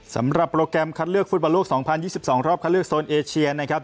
สำหรับโปรแกรมคัดเลือกฟุตบอลโลก๒๐๒๒รอบคัดเลือกโซนเอเชียนะครับ